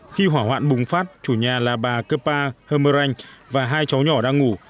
khi hỏa hoạn bùng phát chủ nhà là bà kepa hemerang và hai cháu nhỏ đang ngủ